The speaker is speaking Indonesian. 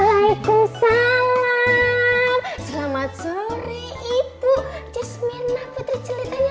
sore ibu just myrna putri celitanya miss kiki